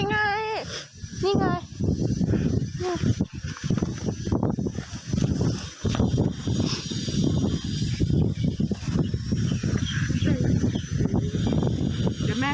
สวัสดีสวัสดี